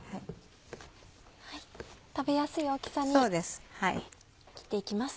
食べやすい大きさに切って行きます。